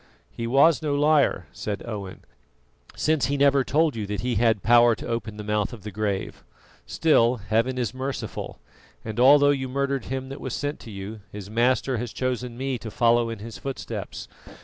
"He was no liar," said Owen; "since he never told you that he had power to open the mouth of the grave. Still, Heaven is merciful, and although you murdered him that was sent to you, his Master has chosen me to follow in his footsteps.